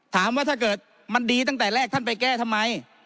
ถ้าเกิดมันดีตั้งแต่แรกท่านไปแก้ทำไม